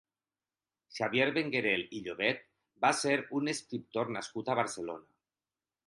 Xavier Benguerel i Llobet va ser un escriptor nascut a Barcelona.